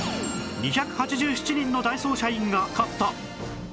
２８７人のダイソー社員が買った